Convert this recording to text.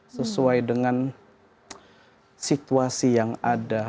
sesuai dengan situasi yang ada